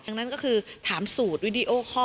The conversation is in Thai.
ทางนั้นก็คือถามสูตรวิดีโอข้อ